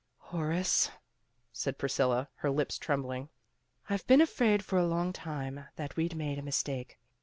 "Horace," said Priscilla, her lips trembling, "I've been afraid for a long time that we'd made a mistake.